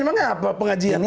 emangnya apa pengajian